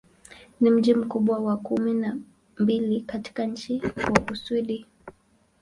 Ni mji mkubwa wa kumi na mbili katika nchi wa Uswidi.